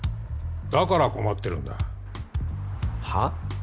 だから困ってるんだ。はっ？